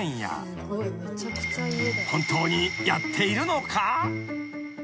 ［本当にやっているのか？］